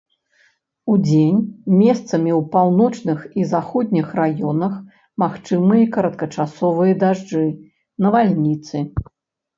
Удзень месцамі ў паўночных і заходніх раёнах магчымыя кароткачасовыя дажджы, навальніцы.